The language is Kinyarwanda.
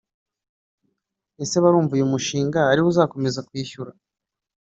Ese barumva uyu mushinga ari wo uzakomeza kwishyura